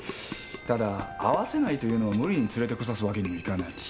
ただ会わせないというのを無理に連れてこさすわけにもいかないし。